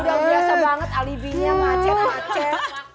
udah biasa banget alibi nya macet macet